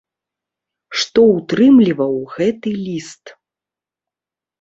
Што ўтрымліваў гэты ліст?